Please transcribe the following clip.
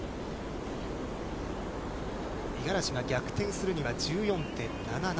五十嵐が逆転するには１４．７７。